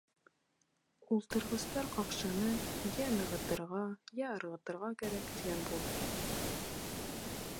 — Ултырғыстар ҡаҡшаны, йә нығытырға, йә ырғытырға кәрәк, -тигән булды.